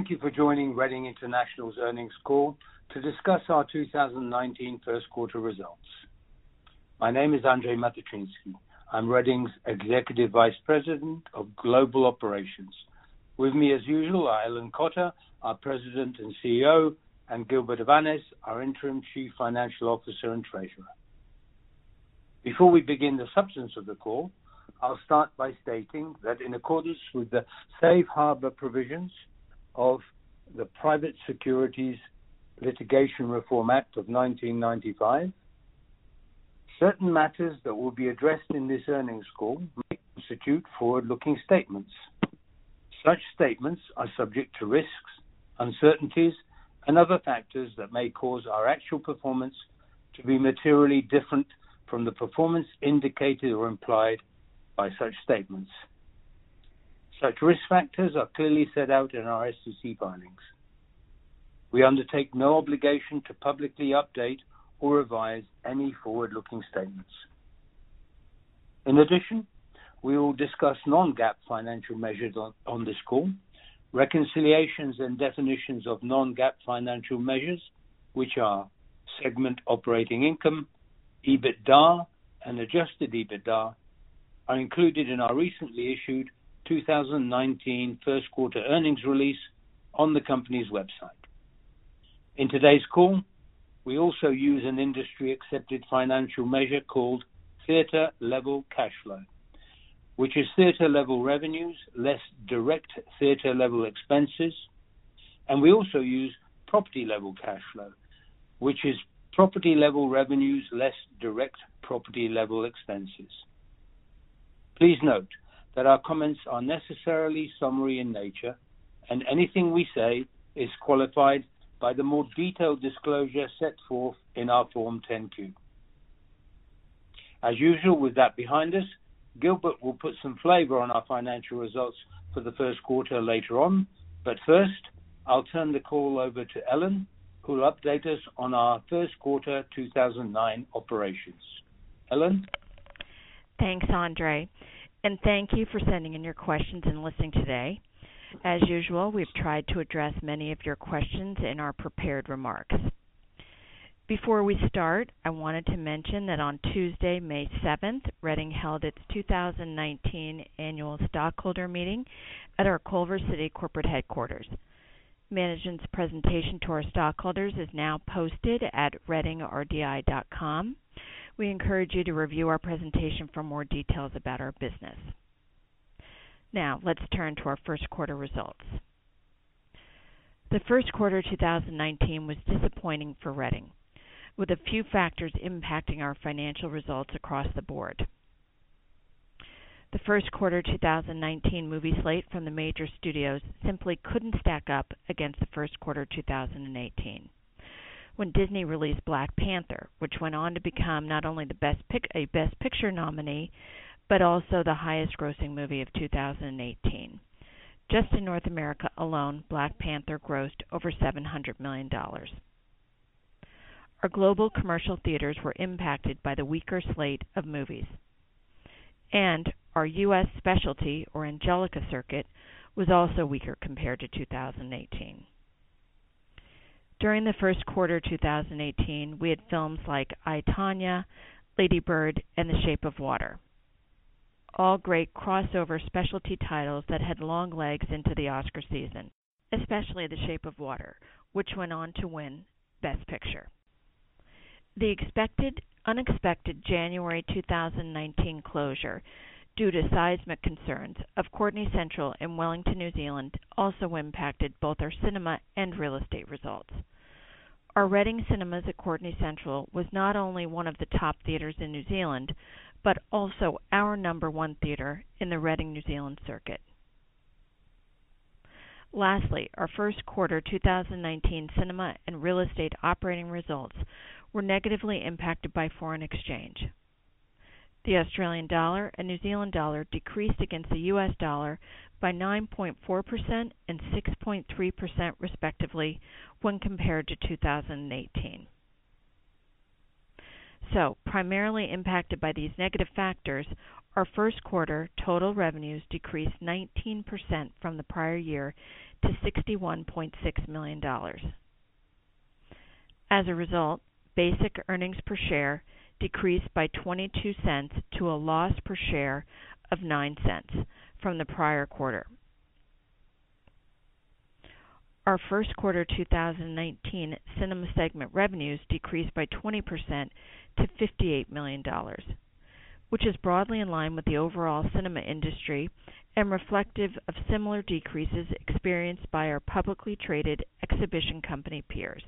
Thank you for joining Reading International's earnings call to discuss our 2019 first quarter results. My name is Andrzej Matyczynski. I'm Reading's Executive Vice President of Global Operations. With me, as usual, are Ellen Cotter, our President and Chief Executive Officer, and Gilbert Avanes, our Interim Chief Financial Officer and Treasurer. Before we begin the substance of the call, I'll start by stating that in accordance with the safe harbor provisions of the Private Securities Litigation Reform Act of 1995, certain matters that will be addressed in this earnings call may constitute forward-looking statements. Such statements are subject to risks, uncertainties, and other factors that may cause our actual performance to be materially different from the performance indicated or implied by such statements. Such risk factors are clearly set out in our SEC filings. We undertake no obligation to publicly update or revise any forward-looking statements. We will discuss non-GAAP financial measures on this call. Reconciliations and definitions of non-GAAP financial measures, which are segment operating income, EBITDA, and adjusted EBITDA, are included in our recently issued 2019 first quarter earnings release on the company's website. In today's call, we also use an industry-accepted financial measure called theater level cash flow, which is theater level revenues less direct theater level expenses. We also use property level cash flow, which is property level revenues less direct property level expenses. Please note that our comments are necessarily summary in nature, and anything we say is qualified by the more detailed disclosure set forth in our Form 10-Q. As usual, with that behind us, Gilbert will put some flavor on our financial results for the first quarter later on. First, I'll turn the call over to Ellen, who will update us on our first quarter 2019 operations. Ellen? Thanks, Andrzej, and thank you for sending in your questions and listening today. As usual, we've tried to address many of your questions in our prepared remarks. Before we start, I wanted to mention that on Tuesday, May 7th, Reading held its 2019 annual stockholder meeting at our Culver City corporate headquarters. Management's presentation to our stockholders is now posted at readingrdi.com. Let's turn to our first quarter results. The first quarter 2019 was disappointing for Reading, with a few factors impacting our financial results across the board. The first quarter 2019 movie slate from the major studios simply couldn't stack up against the first quarter 2018 when Disney released "Black Panther," which went on to become not only a Best Picture nominee, but also the highest grossing movie of 2018. Just in North America alone, "Black Panther" grossed over $700 million. Our global commercial theaters were impacted by the weaker slate of movies, and our U.S. specialty or Angelika circuit was also weaker compared to 2018. During the first quarter 2018, we had films like "I, Tonya," "Lady Bird" and "The Shape of Water," all great crossover specialty titles that had long legs into the Oscar season, especially "The Shape of Water," which went on to win Best Picture. The unexpected January 2019 closure, due to seismic concerns, of Courtenay Central in Wellington, New Zealand also impacted both our cinema and real estate results. Our Reading Cinemas at Courtenay Central was not only one of the top theaters in New Zealand, but also our number 1 theater in the Reading New Zealand circuit. Our first quarter 2019 cinema and real estate operating results were negatively impacted by foreign exchange. The Australian dollar and New Zealand dollar decreased against the U.S. dollar by 9.4% and 6.3% respectively when compared to 2018. Primarily impacted by these negative factors, our first quarter total revenues decreased 19% from the prior year to $61.6 million. As a result, basic earnings per share decreased by $0.22 to a loss per share of $0.09 from the prior quarter. Our first quarter 2019 cinema segment revenues decreased by 20% to $58 million, which is broadly in line with the overall cinema industry and reflective of similar decreases experienced by our publicly traded exhibition company peers.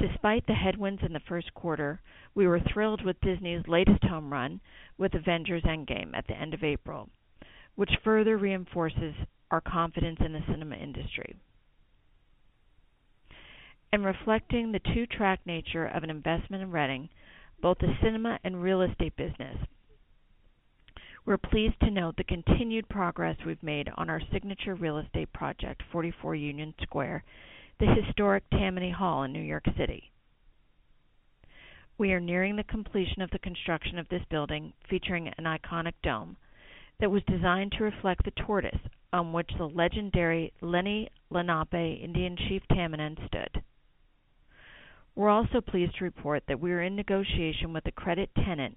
Despite the headwinds in the first quarter, we were thrilled with Disney's latest home run with "Avengers: Endgame" at the end of April, which further reinforces our confidence in the cinema industry. In reflecting the two-track nature of an investment in Reading, both the cinema and real estate business, we're pleased to note the continued progress we've made on our signature real estate project, 44 Union Square, the historic Tammany Hall in New York City. We are nearing the completion of the construction of this building, featuring an iconic dome that was designed to reflect the tortoise on which the legendary Lenni Lenape Indian Chief Tamanend stood. We're also pleased to report that we are in negotiation with a credit tenant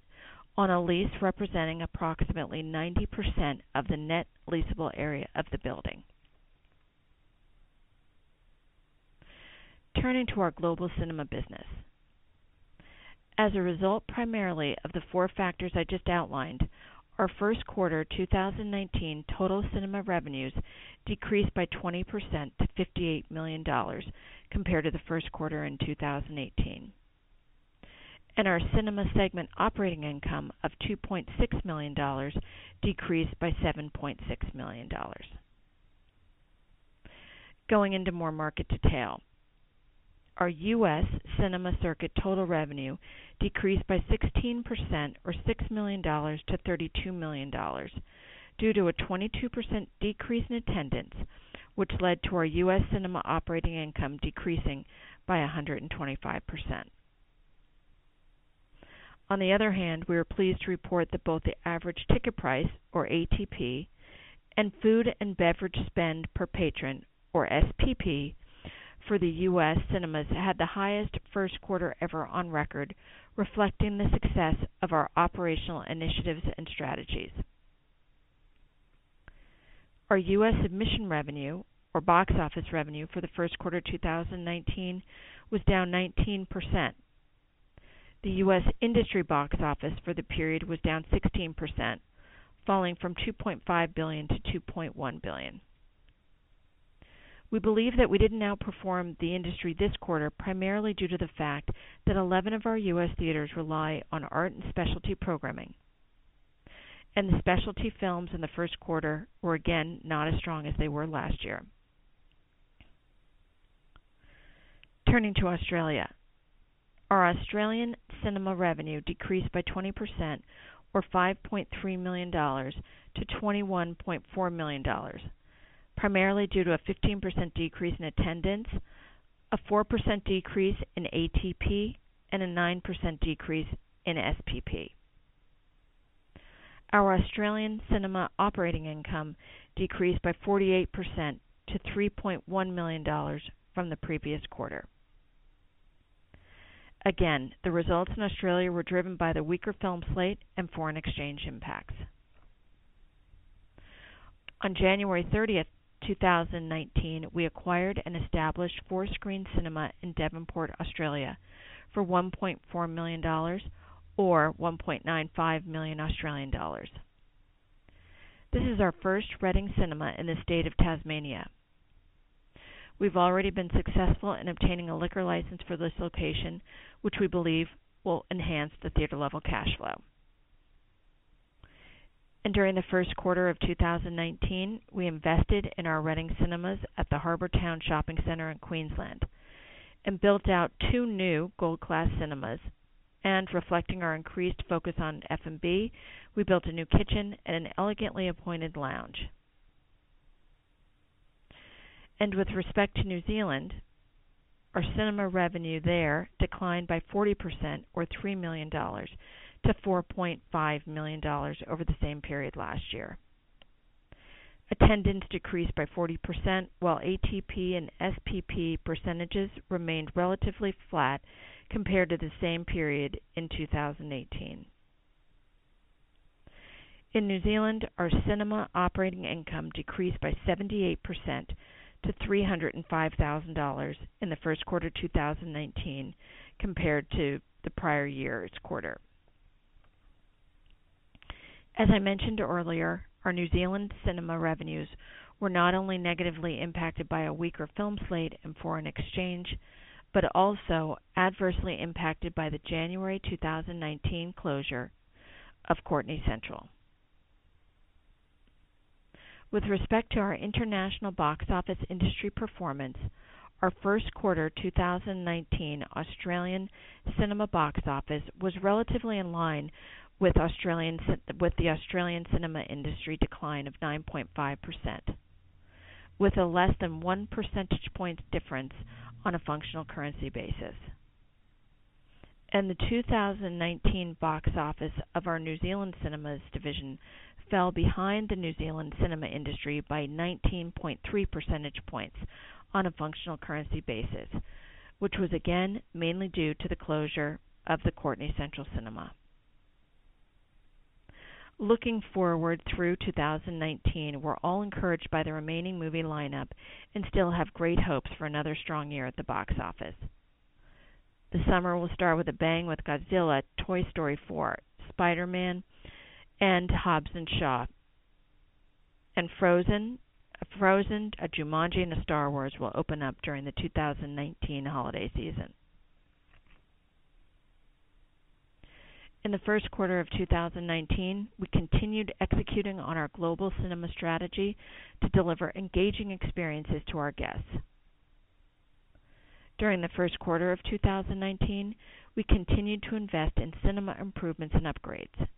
on a lease representing approximately 90% of the net leasable area of the building. Turning to our global cinema business. As a result, primarily of the four factors I just outlined, our first quarter 2019 total cinema revenues decreased by 20% to $58 million compared to the first quarter in 2018. Our cinema segment operating income of $2.6 million decreased by $7.6 million. Going into more market detail. Our U.S. cinema circuit total revenue decreased by 16% or $6 million to $32 million due to a 22% decrease in attendance, which led to our U.S. cinema operating income decreasing by 125%. On the other hand, we are pleased to report that both the average ticket price, or ATP, and food and beverage spend per patron, or SPP, for the U.S. cinemas had the highest first quarter ever on record, reflecting the success of our operational initiatives and strategies. Our U.S. admission revenue or box office revenue for the first quarter 2019 was down 19%. The U.S. industry box office for the period was down 16%, falling from $2.5 billion-$2.1 billion. We believe that we didn't outperform the industry this quarter, primarily due to the fact that 11 of our U.S. theaters rely on art and specialty programming. The specialty films in the first quarter were again not as strong as they were last year. Turning to Australia. Our Australian cinema revenue decreased by 20%, or 5.3 million dollars to 21.4 million dollars, primarily due to a 15% decrease in attendance, a 4% decrease in ATP, and a 9% decrease in SPP. Our Australian cinema operating income decreased by 48% to 3.1 million dollars from the previous quarter. The results in Australia were driven by the weaker film slate and foreign exchange impacts. On January 30th, 2019, we acquired an established four-screen cinema in Devonport, Australia, for $1.4 million or 1.95 million Australian dollars. This is our first Reading Cinema in the state of Tasmania. We've already been successful in obtaining a liquor license for this location, which we believe will enhance the theater-level cash flow. During the first quarter of 2019, we invested in our Reading Cinemas at the Harbour Town Shopping Centre in Queensland and built out two new gold-class cinemas. Reflecting our increased focus on F&B, we built a new kitchen and an elegantly appointed lounge. With respect to New Zealand, our cinema revenue there declined by 40%, or 3 million dollars, to 4.5 million dollars over the same period last year. Attendance decreased by 40%, while ATP and SPP percentages remained relatively flat compared to the same period in 2018. In New Zealand, our cinema operating income decreased by 78% to 305,000 dollars in the first quarter 2019, compared to the prior year's quarter. As I mentioned earlier, our New Zealand cinema revenues were not only negatively impacted by a weaker film slate and foreign exchange, but also adversely impacted by the January 2019 closure of Courtenay Central. With respect to our international box office industry performance, our first quarter 2019 Australian cinema box office was relatively in line with the Australian cinema industry decline of 9.5%, with a less than one percentage point difference on a functional currency basis. The 2019 box office of our New Zealand Cinemas division fell behind the New Zealand cinema industry by 19.3 percentage points on a functional currency basis, which was again mainly due to the closure of the Courtenay Central Cinema. Looking forward through 2019, we're all encouraged by the remaining movie lineup and still have great hopes for another strong year at the box office. The summer will start with a bang with Godzilla, Toy Story 4, Spider-Man, and Hobbs & Shaw. Frozen, Jumanji, and Star Wars will open up during the 2019 holiday season. In the first quarter of 2019, we continued executing on our global cinema strategy to deliver engaging experiences to our guests. During the first quarter of 2019, we continued to invest in cinema improvements and upgrades.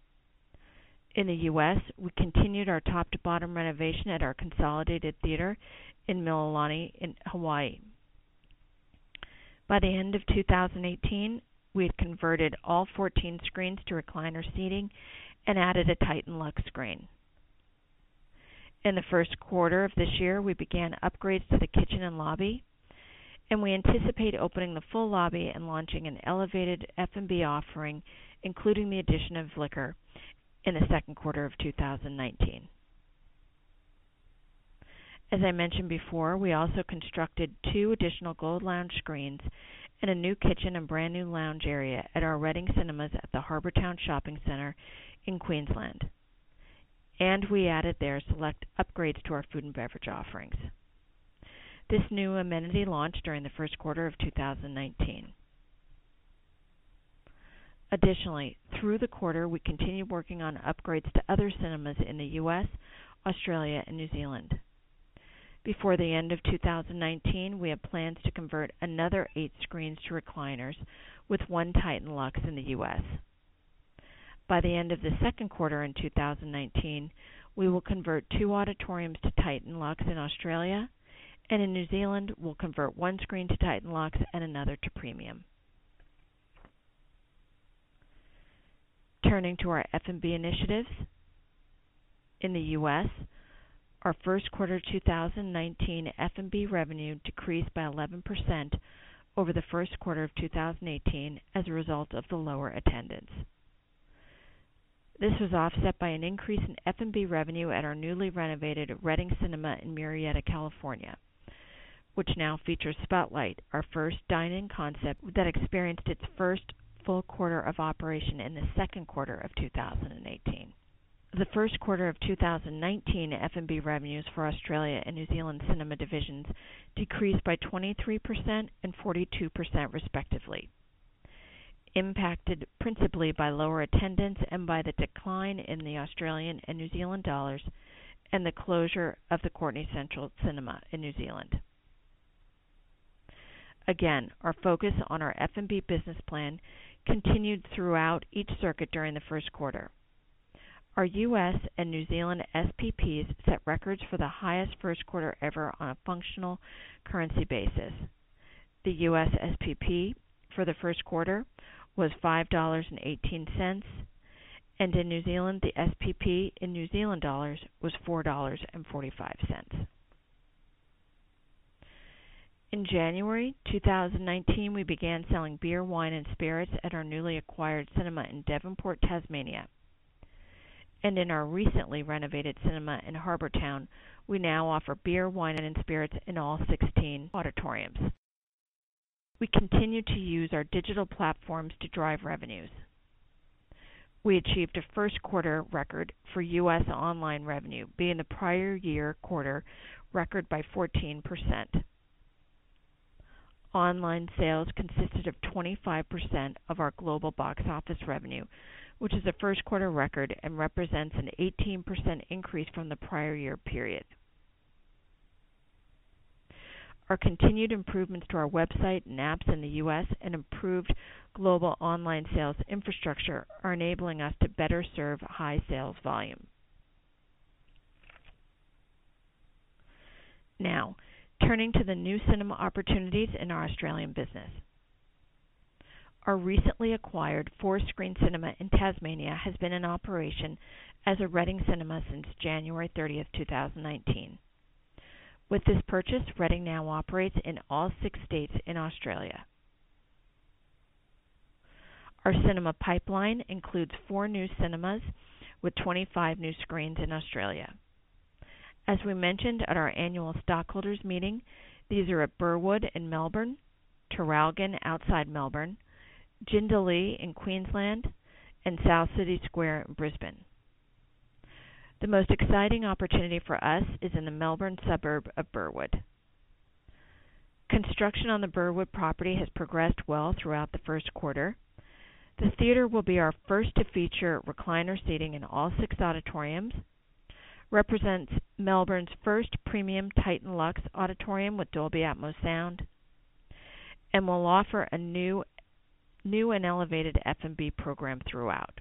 In the U.S., we continued our top-to-bottom renovation at our consolidated theater in Mililani in Hawaii. By the end of 2018, we had converted all 14 screens to recliner seating and added a Titan Luxe screen. In the first quarter of this year, we began upgrades to the kitchen and lobby, and we anticipate opening the full lobby and launching an elevated F&B offering, including the addition of liquor, in the second quarter of 2019. As I mentioned before, we also constructed two additional Gold Lounge screens and a new kitchen and brand-new lounge area at our Reading Cinemas at the Harbour Town Shopping Center in Queensland, and we added there select upgrades to our food and beverage offerings. This new amenity launched during the first quarter of 2019. Additionally, through the quarter, we continued working on upgrades to other cinemas in the U.S., Australia, and New Zealand. Before the end of 2019, we have plans to convert another eight screens to recliners with one Titan Luxe in the U.S. By the end of the second quarter in 2019, we will convert two auditoriums to Titan Luxe in Australia, and in New Zealand, we'll convert one screen to Titan Luxe and another to premium. Turning to our F&B initiatives. In the U.S., our first quarter 2019 F&B revenue decreased by 11% over the first quarter of 2018 as a result of the lower attendance. This was offset by an increase in F&B revenue at our newly renovated Reading Cinema in Murrieta, California, which now features Spotlight, our first dine-in concept that experienced its first full quarter of operation in the second quarter of 2018. The first quarter of 2019 F&B revenues for Australia and New Zealand Cinema divisions decreased by 23% and 42% respectively, impacted principally by lower attendance and by the decline in the Australian and New Zealand dollars and the closure of the Courtenay Central Cinema in New Zealand. Again, our focus on our F&B business plan continued throughout each circuit during the first quarter. Our U.S. and New Zealand SPPs set records for the highest first quarter ever on a functional currency basis. The U.S. SPP for the first quarter was $5.18, and in New Zealand, the SPP in NZD was 4.45. In January 2019, we began selling beer, wine, and spirits at our newly acquired cinema in Devonport, Tasmania. In our recently renovated cinema in Harbour Town, we now offer beer, wine, and spirits in all 16 auditoriums. We continue to use our digital platforms to drive revenues. We achieved a first quarter record for U.S. online revenue, beating the prior year quarter record by 14%. Online sales consisted of 25% of our global box office revenue, which is a first quarter record and represents an 18% increase from the prior year period. Our continued improvements to our website and apps in the U.S. and improved global online sales infrastructure are enabling us to better serve high sales volume. Now, turning to the new cinema opportunities in our Australian business. Our recently acquired four-screen cinema in Tasmania has been in operation as a Reading Cinema since January 30, 2019. With this purchase, Reading now operates in all six states in Australia. Our cinema pipeline includes four new cinemas with 25 new screens in Australia. As we mentioned at our annual stockholders meeting, these are at Burwood in Melbourne, Traralgon outside Melbourne, Jindalee in Queensland, and South City Square in Brisbane. The most exciting opportunity for us is in the Melbourne suburb of Burwood. Construction on the Burwood property has progressed well throughout the first quarter. This theater will be our first to feature recliner seating in all six auditoriums, represents Melbourne's first premium Titan Luxe auditorium with Dolby Atmos sound, and will offer a new and elevated F&B program throughout.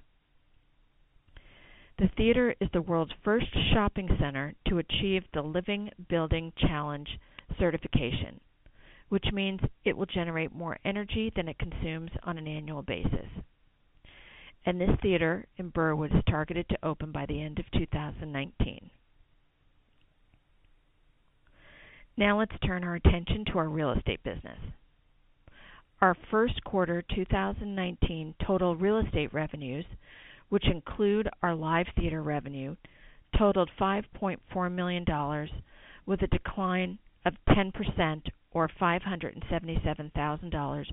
The theater is the world's first shopping center to achieve the Living Building Challenge certification, which means it will generate more energy than it consumes on an annual basis. This theater in Burwood is targeted to open by the end of 2019. Let's turn our attention to our real estate business. Our first quarter 2019 total real estate revenues, which include our live theater revenue, totaled $5.4 million, with a decline of 10% or $577,000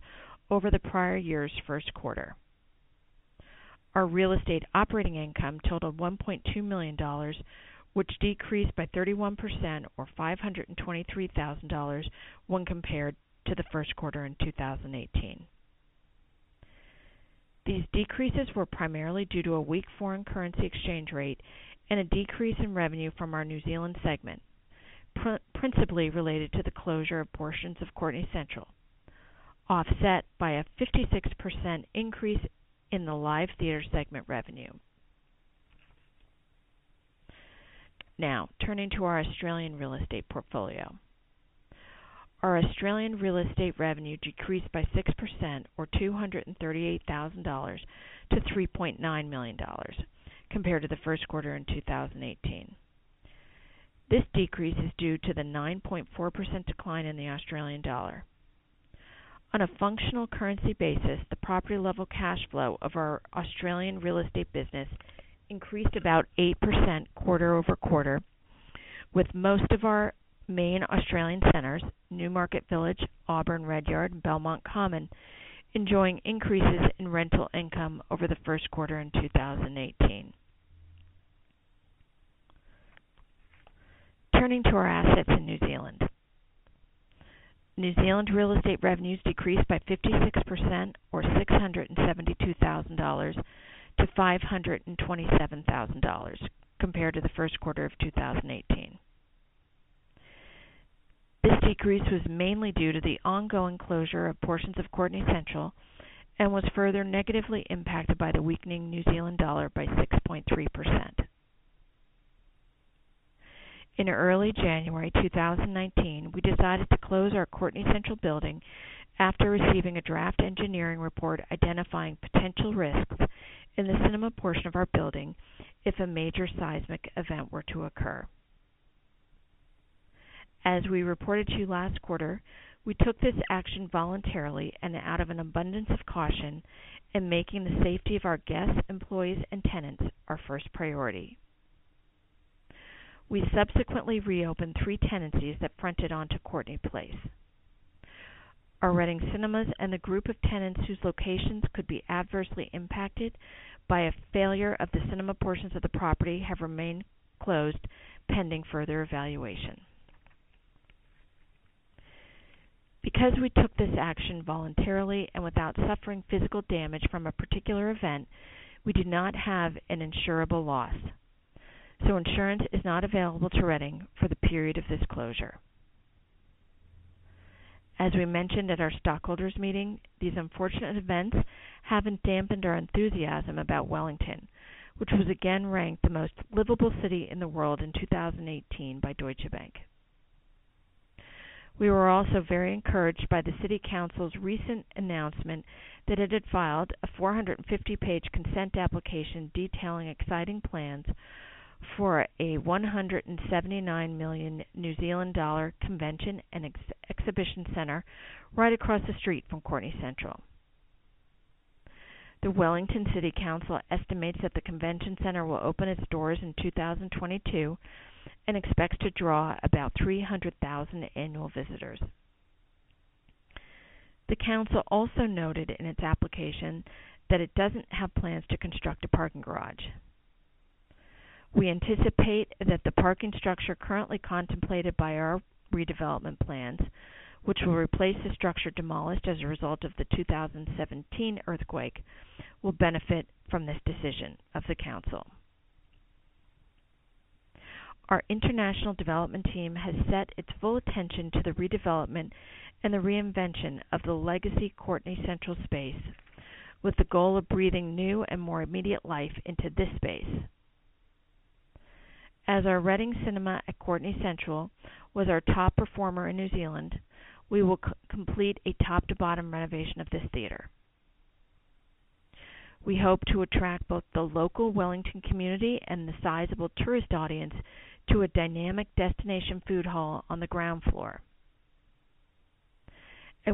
over the prior year's first quarter. Our real estate operating income totaled $1.2 million, which decreased by 31% or $523,000 when compared to the first quarter in 2018. These decreases were primarily due to a weak foreign currency exchange rate and a decrease in revenue from our New Zealand segment, principally related to the closure of portions of Courtenay Central, offset by a 56% increase in the live theater segment revenue. Turning to our Australian real estate portfolio. Our Australian real estate revenue decreased by 6%, or $238,000 to $3.9 million compared to the first quarter in 2018. This decrease is due to the 9.4% decline in the AUD. On a functional currency basis, the property-level cash flow of our Australian real estate business increased about 8% quarter-over-quarter, with most of our main Australian centers, Newmarket Village, Auburn Redyard, and Belmont Common, enjoying increases in rental income over the first quarter in 2018. Turning to our assets in New Zealand. New Zealand real estate revenues decreased by 56%, or $672,000, to $527,000 compared to the first quarter of 2018. This decrease was mainly due to the ongoing closure of portions of Courtenay Central and was further negatively impacted by the weakening NZD by 6.3%. In early January 2019, we decided to close our Courtenay Central building after receiving a draft engineering report identifying potential risks in the cinema portion of our building if a major seismic event were to occur. As we reported to you last quarter, we took this action voluntarily and out of an abundance of caution in making the safety of our guests, employees, and tenants our first priority. We subsequently reopened three tenancies that fronted onto Courtenay Place. Our Reading Cinemas and the group of tenants whose locations could be adversely impacted by a failure of the cinema portions of the property have remained closed pending further evaluation. Because we took this action voluntarily and without suffering physical damage from a particular event, we did not have an insurable loss, so insurance is not available to Reading for the period of this closure. As we mentioned at our stockholders meeting, these unfortunate events haven't dampened our enthusiasm about Wellington, which was again ranked the most livable city in the world in 2018 by Deutsche Bank. We were also very encouraged by the City Council's recent announcement that it had filed a 450-page consent application detailing exciting plans for a 179 million New Zealand dollar convention and exhibition center right across the street from Courtenay Central. The Wellington City Council estimates that the convention center will open its doors in 2022 and expects to draw about 300,000 annual visitors. The council also noted in its application that it doesn't have plans to construct a parking garage. We anticipate that the parking structure currently contemplated by our redevelopment plans, which will replace the structure demolished as a result of the 2017 earthquake, will benefit from this decision of the council. Our international development team has set its full attention to the redevelopment and the reinvention of the legacy Courtenay Central space with the goal of breathing new and more immediate life into this space. As our Reading Cinema at Courtenay Central was our top performer in New Zealand, we will complete a top-to-bottom renovation of this theater. We hope to attract both the local Wellington community and the sizable tourist audience to a dynamic destination food hall on the ground floor.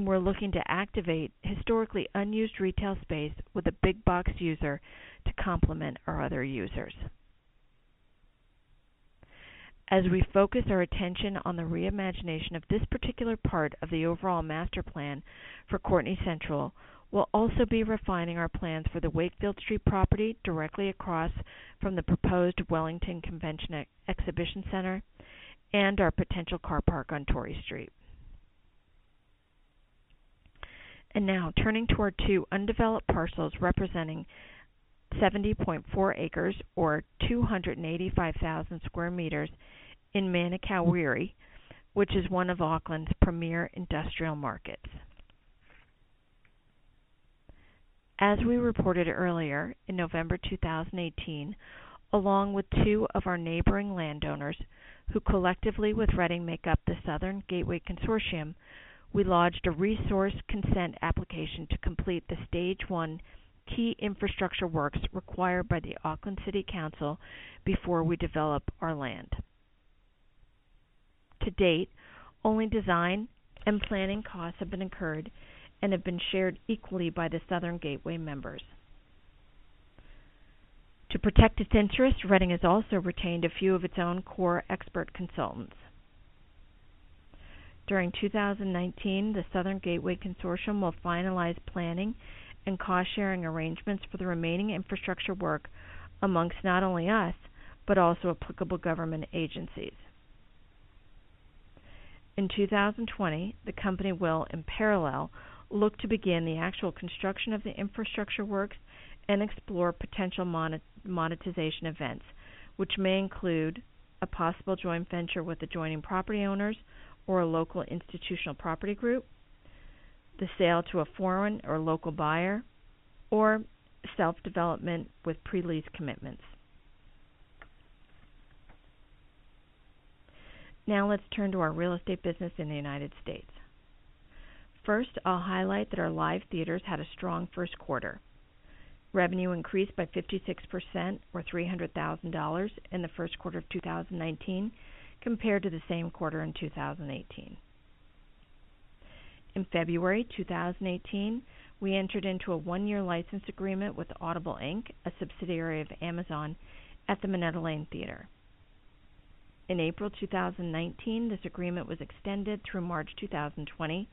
We're looking to activate historically unused retail space with a big box user to complement our other users. As we focus our attention on the re-imagination of this particular part of the overall master plan for Courtenay Central, we'll also be refining our plans for the Wakefield Street property directly across from the proposed Wellington Convention Exhibition Center and our potential car park on Tory Street. Now turning to our two undeveloped parcels representing 70.4 acres or 285,000 square meters in Manukau Wiri, which is one of Auckland's premier industrial markets. As we reported earlier in November 2018, along with two of our neighboring landowners who collectively with Reading make up the Southern Gateway Consortium, we lodged a resource consent application to complete the stage 1 key infrastructure works required by the Auckland Council before we develop our land. To date, only design and planning costs have been incurred and have been shared equally by the Southern Gateway members. To protect its interests, Reading has also retained a few of its own core expert consultants. During 2019, the Southern Gateway Consortium will finalize planning and cost-sharing arrangements for the remaining infrastructure work amongst not only us, but also applicable government agencies. In 2020, the company will, in parallel, look to begin the actual construction of the infrastructure works and explore potential monetization events which may include a possible joint venture with adjoining property owners or a local institutional property group, the sale to a foreign or local buyer, or self-development with pre-lease commitments. Now let's turn to our real estate business in the U.S. First, I'll highlight that our live theaters had a strong first quarter. Revenue increased by 56% or $300,000 in the first quarter of 2019 compared to the same quarter in 2018. In February 2018, we entered into a one-year license agreement with Audible Inc., a subsidiary of Amazon, at the Minetta Lane Theatre. In April 2019, this agreement was extended through March 2020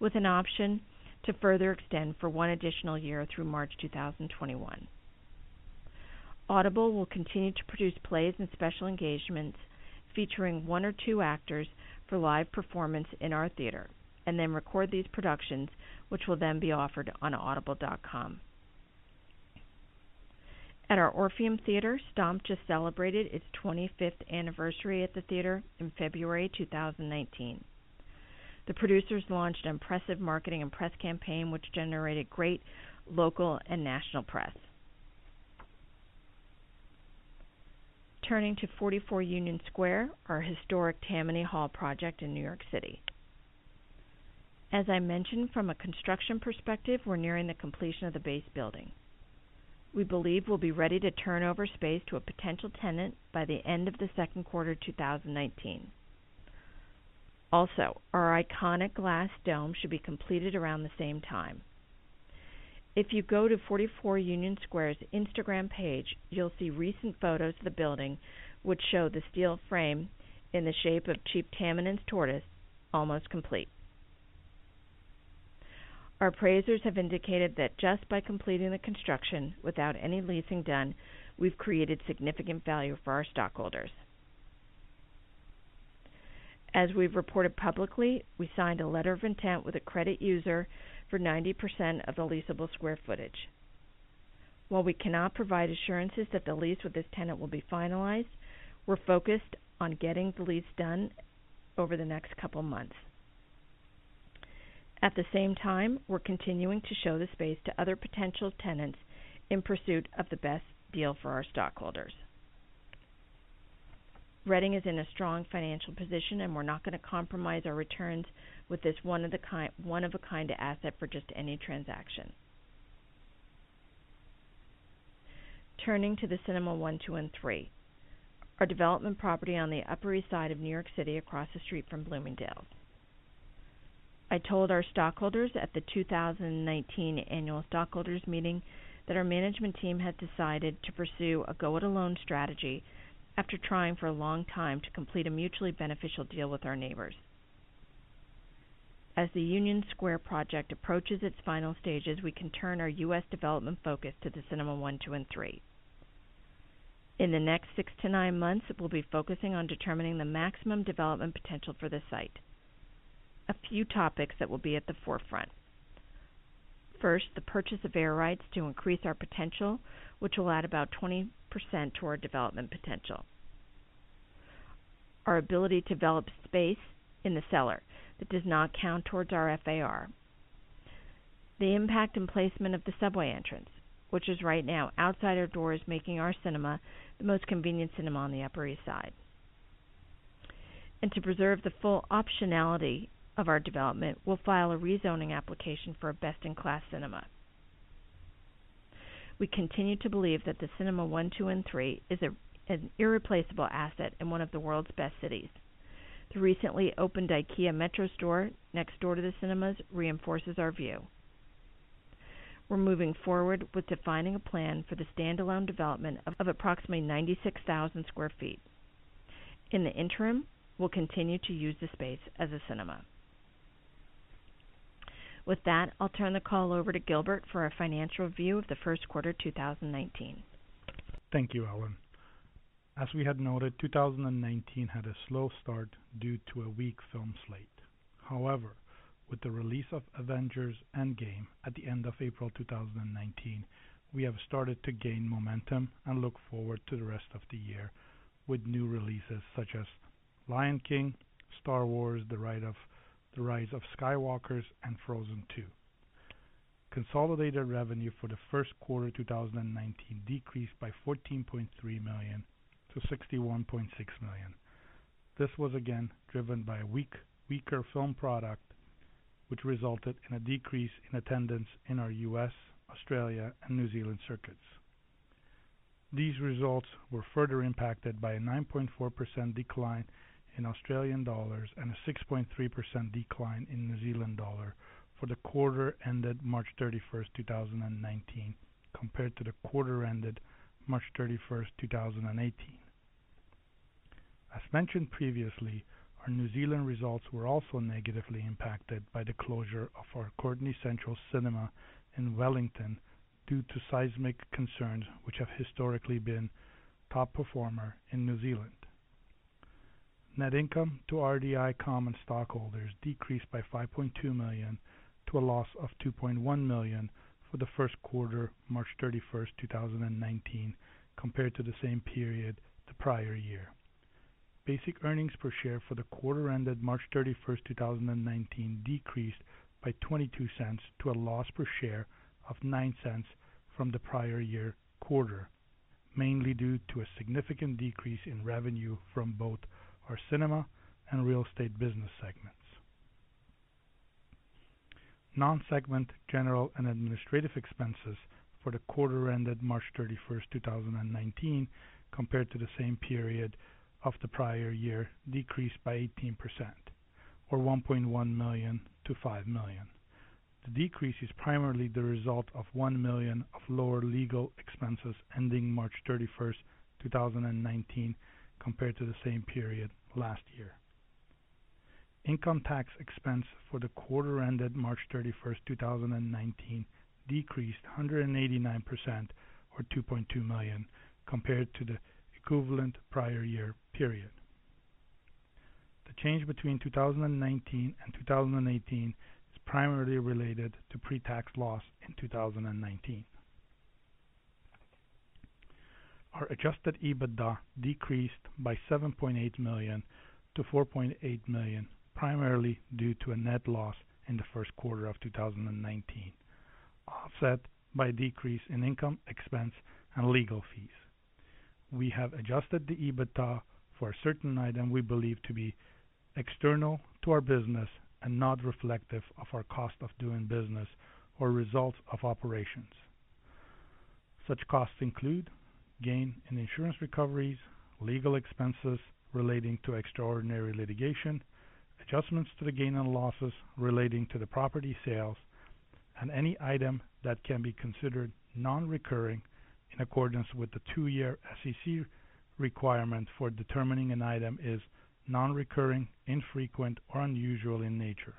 with an option to further extend for one additional year through March 2021. Audible will continue to produce plays and special engagements featuring one or two actors for live performance in our theater, and then record these productions which will then be offered on audible.com. At our Orpheum Theater, Stomp just celebrated its 25th anniversary at the theater in February 2019. Turning to 44 Union Square, our historic Tammany Hall project in New York City. As I mentioned, from a construction perspective, we're nearing the completion of the base building. We believe we'll be ready to turn over space to a potential tenant by the end of the second quarter 2019. Our iconic glass dome should be completed around the same time. If you go to 44 Union Square's Instagram page, you'll see recent photos of the building, which show the steel frame in the shape of Chief Tammany's tortoise almost complete. Our appraisers have indicated that just by completing the construction without any leasing done, we've created significant value for our stockholders. As we've reported publicly, we signed a letter of intent with a credit user for 90% of the leasable square footage. While we cannot provide assurances that the lease with this tenant will be finalized, we're focused on getting the lease done over the next couple of months. At the same time, we're continuing to show the space to other potential tenants in pursuit of the best deal for our stockholders. Reading is in a strong financial position and we're not going to compromise our returns with this one-of-a-kind asset for just any transaction. Turning to the Cinema One, Two, and Three, our development property on the Upper East Side of New York City across the street from Bloomingdale's. I told our stockholders at the 2019 annual stockholders meeting that our management team had decided to pursue a go-it-alone strategy after trying for a long time to complete a mutually beneficial deal with our neighbors. As the Union Square project approaches its final stages, we can turn our U.S. development focus to the Cinema One, Two, and Three. In the next six to nine months, we'll be focusing on determining the maximum development potential for this site. A few topics that will be at the forefront. First, the purchase of air rights to increase our potential, which will add about 20% to our development potential. Our ability to develop space in the cellar that does not count towards our FAR. The impact and placement of the subway entrance, which is right now outside our doors, making our cinema the most convenient cinema on the Upper East Side. To preserve the full optionality of our development, we'll file a rezoning application for a best-in-class cinema. We continue to believe that the Cinema One, Two, and Three is an irreplaceable asset in one of the world's best cities. The recently opened IKEA Metro store next door to the cinemas reinforces our view. We're moving forward with defining a plan for the standalone development of approximately 96,000 sq ft. In the interim, we'll continue to use the space as a cinema. With that, I'll turn the call over to Gilbert for our financial view of the first quarter 2019. Thank you, Ellen. As we had noted, 2019 had a slow start due to a weak film slate. However, with the release of Avengers: Endgame at the end of April 2019, we have started to gain momentum and look forward to the rest of the year with new releases such as The Lion King, Star Wars: The Rise of Skywalker, and Frozen 2. Consolidated revenue for the first quarter 2019 decreased by $14.3 million to $61.6 million. This was again driven by a weaker film product, which resulted in a decrease in attendance in our U.S., Australia, and New Zealand circuits. These results were further impacted by a 9.4% decline in AUD and a 6.3% decline in NZD for the quarter ended March 31st, 2019, compared to the quarter ended March 31st, 2018. As mentioned previously, our New Zealand results were also negatively impacted by the closure of our Courtenay Central Cinema in Wellington due to seismic concerns which have historically been top performer in New Zealand. Net income to RDI common stockholders decreased by $5.2 million to a loss of $2.1 million for the first quarter, March 31, 2019, compared to the same period the prior year. Basic earnings per share for the quarter ended March 31, 2019, decreased by $0.22 to a loss per share of $0.09 from the prior year quarter, mainly due to a significant decrease in revenue from both our cinema and real estate business segments. Non-segment general and administrative expenses for the quarter ended March 31, 2019, compared to the same period of the prior year, decreased by 18%, or $1.1 million to $5 million. The decrease is primarily the result of $1 million of lower legal expenses ending March 31, 2019, compared to the same period last year. Income tax expense for the quarter ended March 31, 2019, decreased 189%, or $2.2 million, compared to the equivalent prior year period. The change between 2019 and 2018 is primarily related to pre-tax loss in 2019. Our adjusted EBITDA decreased by $7.8 million to $4.8 million, primarily due to a net loss in the first quarter of 2019, offset by a decrease in income expense and legal fees. We have adjusted the EBITDA for a certain item we believe to be external to our business and not reflective of our cost of doing business or results of operations. Such costs include gain in insurance recoveries, legal expenses relating to extraordinary litigation, adjustments to the gain on losses relating to the property sales, and any item that can be considered non-recurring, in accordance with the two-year SEC requirement for determining an item is non-recurring, infrequent, or unusual in nature.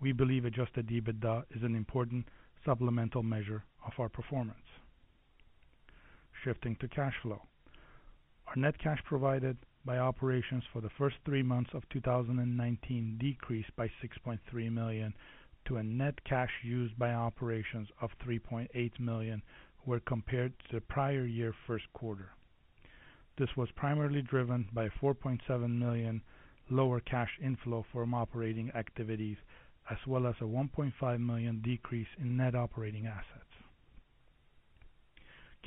We believe adjusted EBITDA is an important supplemental measure of our performance. Shifting to cash flow. Our net cash provided by operations for the first three months of 2019 decreased by $6.3 million to a net cash used by operations of $3.8 million when compared to the prior year first quarter. This was primarily driven by a $4.7 million lower cash inflow from operating activities, as well as a $1.5 million decrease in net operating assets.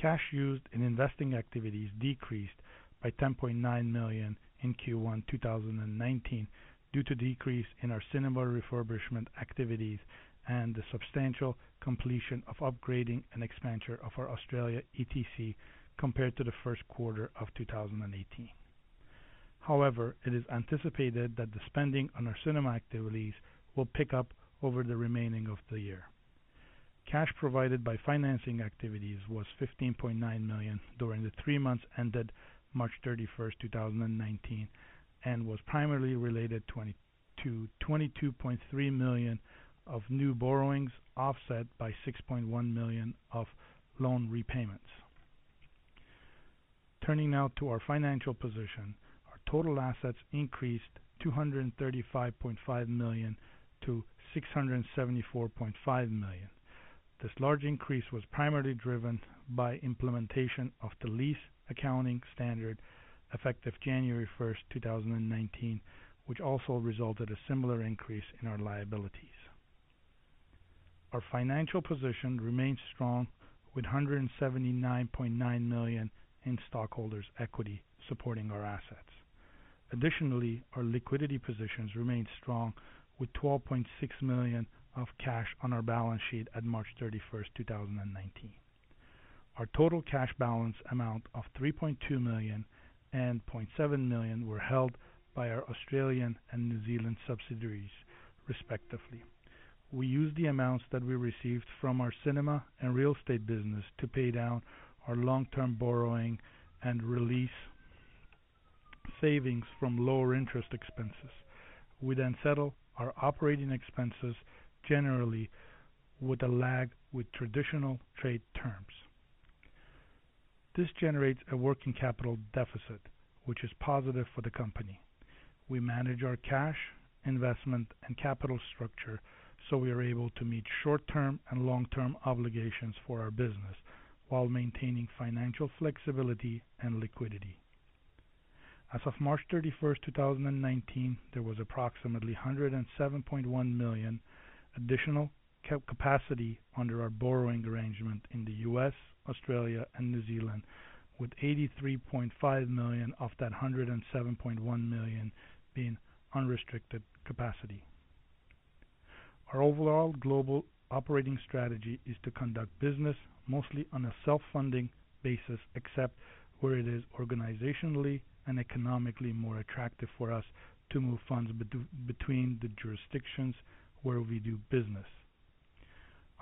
Cash used in investing activities decreased by $10.9 million in Q1 2019 due to decrease in our cinema refurbishment activities and the substantial completion of upgrading and expansion of our Australia ETC compared to the first quarter of 2018. However, it is anticipated that the spending on our cinema activities will pick up over the remaining of the year. Cash provided by financing activities was $15.9 million during the three months ended March 31, 2019, and was primarily related to $22.3 million of new borrowings, offset by $6.1 million of loan repayments. Turning now to our financial position. Our total assets increased $235.5 million to $674.5 million. This large increase was primarily driven by implementation of the lease accounting standard effective January 1, 2019, which also resulted a similar increase in our liabilities. Our financial position remains strong with $179.9 million in stockholders' equity supporting our assets. Additionally, our liquidity positions remain strong with $12.6 million of cash on our balance sheet at March 31st, 2019. Our total cash balance amount of $3.2 million and $0.7 million were held by our Australian and New Zealand subsidiaries, respectively. We used the amounts that we received from our cinema and real estate business to pay down our long-term borrowing and release savings from lower interest expenses. We settle our operating expenses generally with a lag with traditional trade terms. This generates a working capital deficit, which is positive for the company. We manage our cash, investment, and capital structure so we are able to meet short-term and long-term obligations for our business while maintaining financial flexibility and liquidity. As of March 31st, 2019, there was approximately $107.1 million additional capacity under our borrowing arrangement in the U.S., Australia, and New Zealand, with $83.5 million of that $107.1 million being unrestricted capacity. Our overall global operating strategy is to conduct business mostly on a self-funding basis, except where it is organizationally and economically more attractive for us to move funds between the jurisdictions where we do business.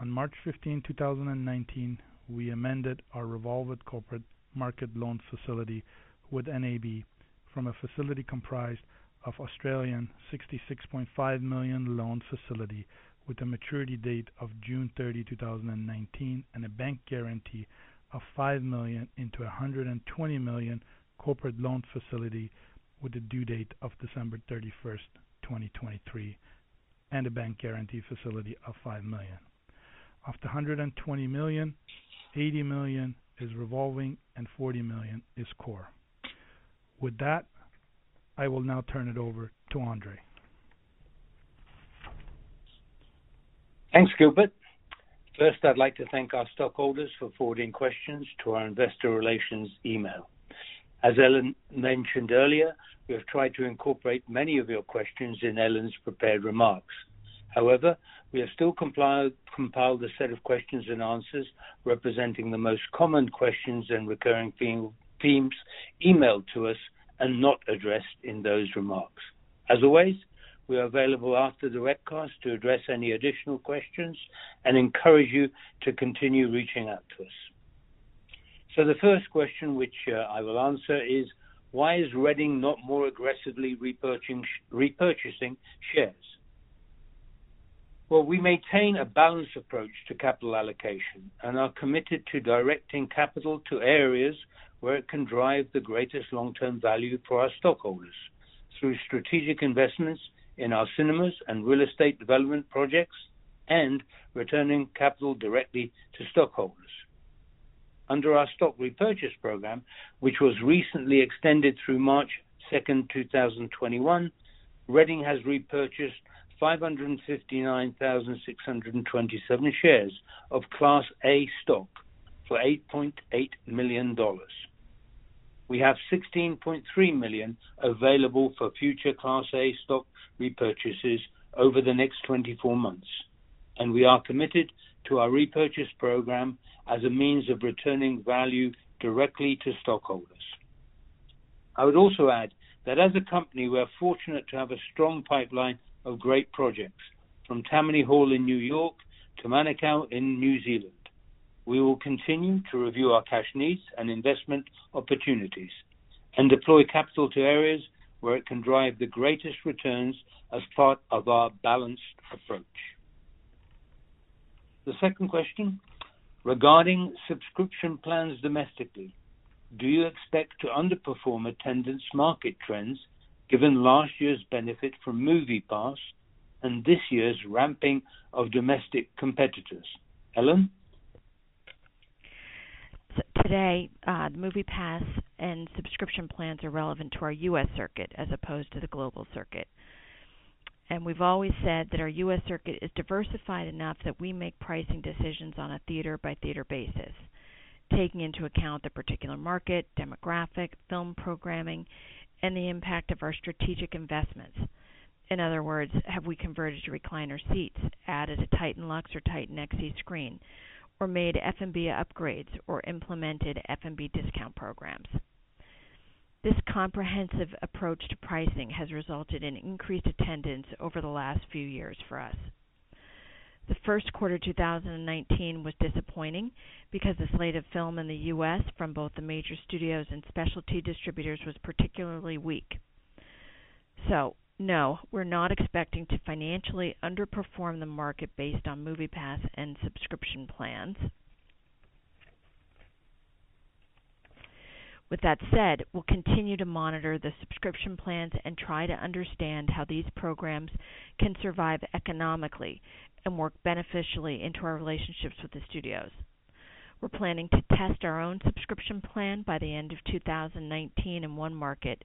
On March 15, 2019, we amended our revolving corporate market loan facility with NAB from a facility comprised of 66.5 million loan facility with a maturity date of June 30, 2019, and a bank guarantee of 5 million into a $120 million corporate loan facility with a due date of December 31st, 2023. A bank guarantee facility of $5 million. Of the $120 million, $80 million is revolving and $40 million is core. With that, I will now turn it over to Andrzej. Thanks, Gilbert. First, I'd like to thank our stockholders for forwarding questions to our investor relations email. As Ellen mentioned earlier, we have tried to incorporate many of your questions in Ellen's prepared remarks. However, we have still compiled a set of questions and answers representing the most common questions and recurring themes emailed to us and not addressed in those remarks. As always, we are available after the webcast to address any additional questions and encourage you to continue reaching out to us. The first question which I will answer is: why is Reading not more aggressively repurchasing shares? Well, we maintain a balanced approach to capital allocation and are committed to directing capital to areas where it can drive the greatest long-term value for our stockholders through strategic investments in our cinemas and real estate development projects and returning capital directly to stockholders. Under our stock repurchase program, which was recently extended through March 2, 2021, Reading has repurchased 559,627 shares of Class A stock for $8.8 million. We have $16.3 million available for future Class A stock repurchases over the next 24 months, and we are committed to our repurchase program as a means of returning value directly to stockholders. I would also add that as a company, we are fortunate to have a strong pipeline of great projects from Tammany Hall in New York to Manukau in New Zealand. We will continue to review our cash needs and investment opportunities and deploy capital to areas where it can drive the greatest returns as part of our balanced approach. The second question: regarding subscription plans domestically, do you expect to underperform attendance market trends given last year's benefit from MoviePass and this year's ramping of domestic competitors? Ellen. Today, MoviePass and subscription plans are relevant to our U.S. circuit as opposed to the global circuit. We've always said that our U.S. circuit is diversified enough that we make pricing decisions on a theater-by-theater basis, taking into account the particular market, demographic, film programming, and the impact of our strategic investments. In other words, have we converted to recliner seats, added a Titan Luxe or Titan XC screen, or made F&B upgrades or implemented F&B discount programs? This comprehensive approach to pricing has resulted in increased attendance over the last few years for us. The first quarter 2019 was disappointing because the slate of film in the U.S. from both the major studios and specialty distributors was particularly weak. No, we're not expecting to financially underperform the market based on MoviePass and subscription plans. With that said, we'll continue to monitor the subscription plans and try to understand how these programs can survive economically and work beneficially into our relationships with the studios. We're planning to test our own subscription plan by the end of 2019 in one market,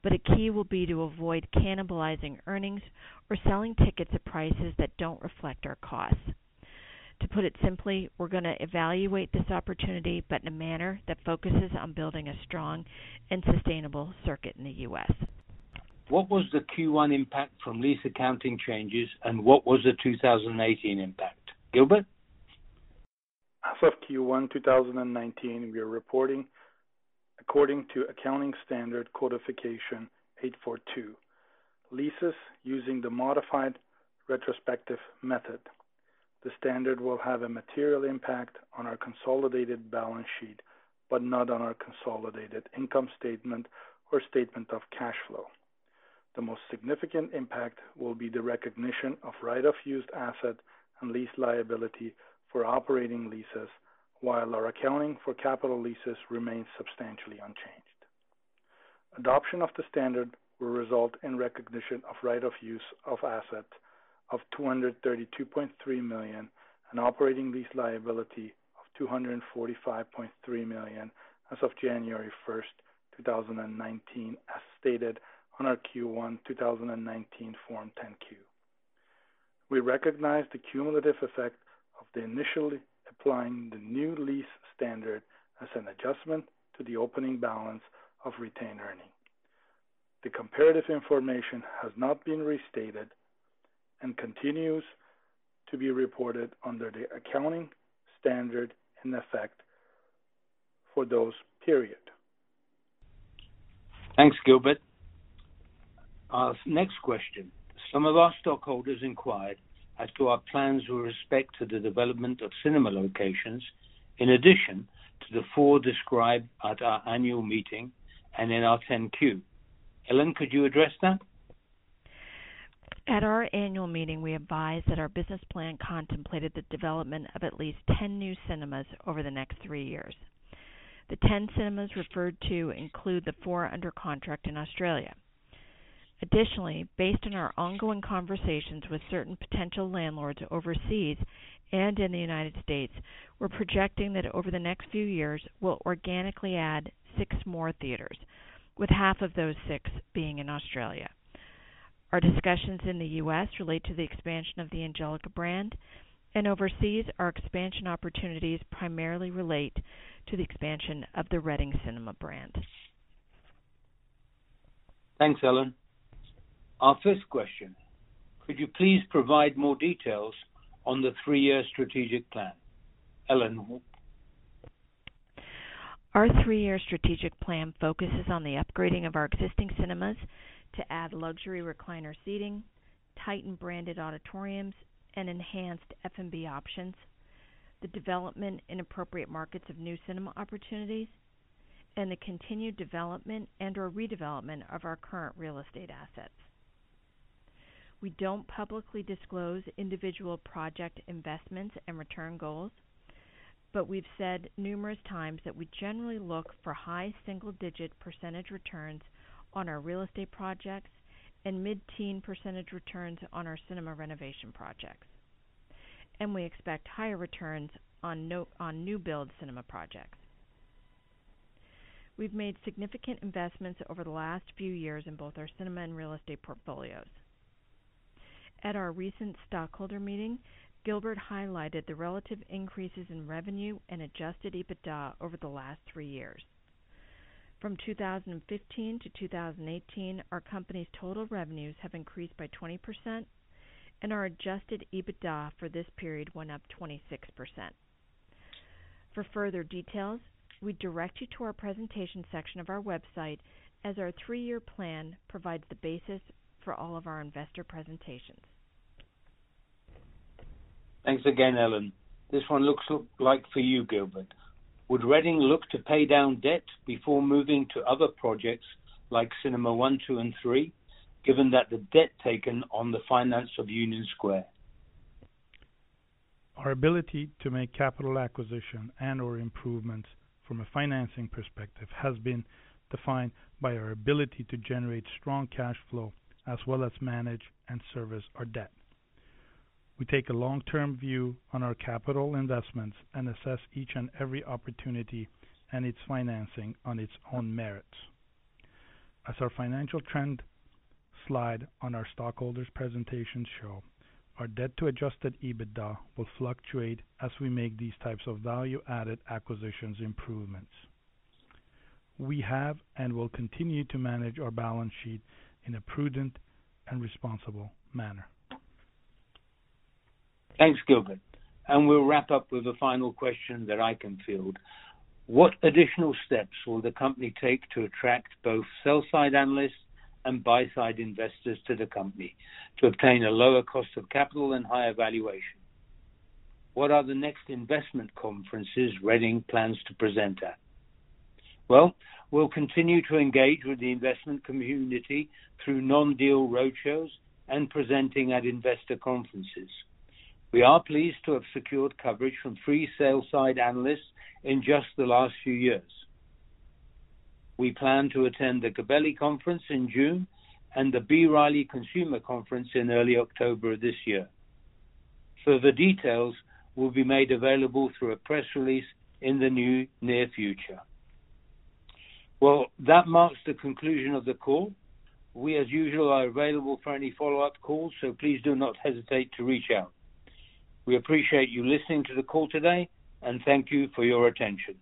but a key will be to avoid cannibalizing earnings or selling tickets at prices that don't reflect our costs. To put it simply, we're going to evaluate this opportunity, but in a manner that focuses on building a strong and sustainable circuit in the U.S. What was the Q1 impact from lease accounting changes and what was the 2018 impact? Gilbert. As of Q1 2019, we are reporting according to accounting standard codification ASC 842 leases using the modified retrospective method. The standard will have a material impact on our consolidated balance sheet, but not on our consolidated income statement or statement of cash flow. The most significant impact will be the recognition of right-of-use asset and lease liability for operating leases while our accounting for capital leases remains substantially unchanged. Adoption of the standard will result in recognition of right-of-use asset of $232.3 million and operating lease liability of $245.3 million as of January 1st, 2019, as stated on our Q1 2019 Form 10-Q. We recognize the cumulative effect of initially applying the new lease standard as an adjustment to the opening balance of retained earnings. The comparative information has not been restated and continues to be reported under the accounting standard in effect for those periods. Thanks, Gilbert. Our next question. Some of our stockholders inquired as to our plans with respect to the development of cinema locations in addition to the four described at our annual meeting and in our 10-Q. Ellen, could you address that? At our annual meeting, we advised that our business plan contemplated the development of at least 10 new cinemas over the next three years. The 10 cinemas referred to include the four under contract in Australia. Additionally, based on our ongoing conversations with certain potential landlords overseas and in the U.S., we're projecting that over the next few years, we'll organically add six more theaters, with half of those six being in Australia. Our discussions in the U.S. relate to the expansion of the Angelika brand, and overseas, our expansion opportunities primarily relate to the expansion of the Reading Cinema brand. Thanks, Ellen. Our first question: could you please provide more details on the three-year strategic plan? Ellen. Our three-year strategic plan focuses on the upgrading of our existing cinemas to add luxury recliner seating, Titan-branded auditoriums, and enhanced F&B options, the development in appropriate markets of new cinema opportunities, and the continued development and/or redevelopment of our current real estate assets. We don't publicly disclose individual project investments and return goals, but we've said numerous times that we generally look for high single-digit % returns on our real estate projects and mid-teen % returns on our cinema renovation projects. We expect higher returns on new build cinema projects. We've made significant investments over the last three years in both our cinema and real estate portfolios. At our recent stockholder meeting, Gilbert highlighted the relative increases in revenue and adjusted EBITDA over the last three years. From 2015 to 2018, our company's total revenues have increased by 20%, and our adjusted EBITDA for this period went up 26%. For further details, we direct you to our presentation section of our website as our three-year plan provides the basis for all of our investor presentations. Thanks again, Ellen. This one looks like for you, Gilbert. Would Reading look to pay down debt before moving to other projects like Cinema One, Two, and Three, given that the debt taken on the finance of Union Square? Our ability to make capital acquisition and/or improvements from a financing perspective has been defined by our ability to generate strong cash flow as well as manage and service our debt. We take a long-term view on our capital investments and assess each and every opportunity and its financing on its own merits. As our financial trend slide on our stockholders' presentation show, our debt to adjusted EBITDA will fluctuate as we make these types of value-added acquisitions improvements. We have and will continue to manage our balance sheet in a prudent and responsible manner. Thanks, Gilbert. We'll wrap up with a final question that I can field. What additional steps will the company take to attract both sell-side analysts and buy-side investors to the company to obtain a lower cost of capital and higher valuation? What are the next investment conferences Reading plans to present at? We'll continue to engage with the investment community through non-deal roadshows and presenting at investor conferences. We are pleased to have secured coverage from three sell-side analysts in just the last few years. We plan to attend the Gabelli Conference in June and the B. Riley Consumer Conference in early October of this year. Further details will be made available through a press release in the near future. That marks the conclusion of the call. We, as usual, are available for any follow-up calls, so please do not hesitate to reach out. We appreciate you listening to the call today, and thank you for your attention.